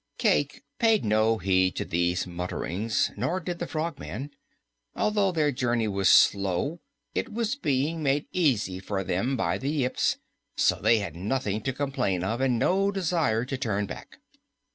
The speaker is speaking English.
Cayke paid no heed to these mutterings, nor did the Frogman. Although their journey was slow, it was being made easy for them by the Yips, so they had nothing to complain of and no desire to turn back.